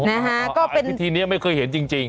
อ๋ออาทิตย์ทีนี้ไม่เคยเห็นจริง